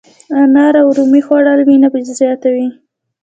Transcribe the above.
انار او رومي خوړل وینه زیاتوي.